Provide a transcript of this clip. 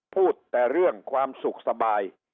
พูดแต่เรื่องความสุขสบาย